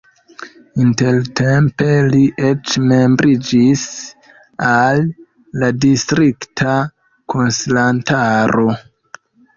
Intertempe li eĉ membriĝis al la distrikta konsilantaro.